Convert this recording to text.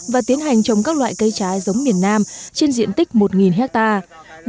và tiến hành trồng các loại cây trái giống miền nam trên diện tích một hectare